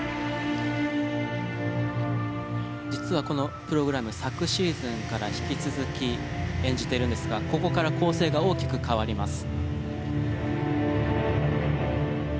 実はこのプログラム昨シーズンから引き続き演じているんですがここから構成が大きく変わります。